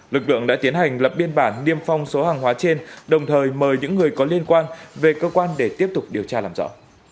lực lượng đã tiến hành lập biên bản niêm phong số hàng hóa trên đồng thời mời những người có liên quan về cơ quan để tiếp tục điều tra làm rõ